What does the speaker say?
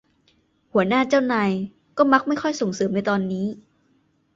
หัวหน้าเจ้านายก็มักไม่ค่อยส่งเสริมในตอนนี้